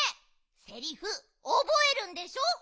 セリフおぼえるんでしょ。